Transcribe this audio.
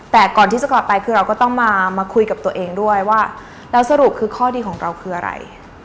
แต่ก่อนที่จะกลับไปคือเราก็ต้องมาคุยกับตัวเองด้วยว่าแล้วสรุปคือข้อดีของเราคืออะไร